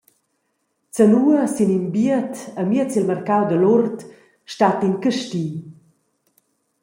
Zanua sin in biet amiez il marcau da Lourdes stat in casti.